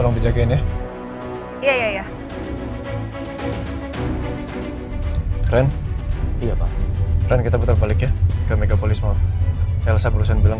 hai ren iya pak kita betul balik ya ke mega polis mall elsa berusaha bilang